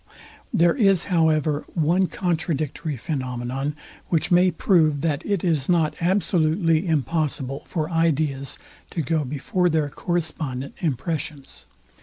There is however one contradictory phænomenon, which may prove, that it is not absolutely impossible for ideas to go before their correspondent impressions.